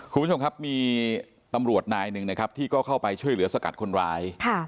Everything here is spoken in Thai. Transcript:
คุณผู้ชมครับมีตำรวจนายหนึ่งนะครับที่ก็เข้าไปช่วยเหลือสกัดคนร้าย